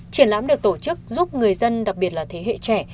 triển lãm được tổ chức giúp người dân đặc biệt là thế hệ trẻ